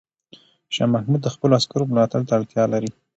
شاه محمود د خپلو عسکرو ملاتړ ته اړتیا لري.